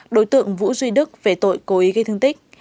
đối tượng vũ duy đức về tội cố ý gây thương tích